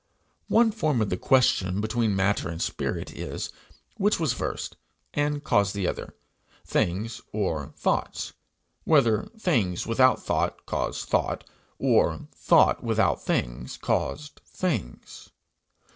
One form of the question between matter and spirit is, which was first, and caused the other things or thoughts; whether things without thought caused thought, or thought without things caused things.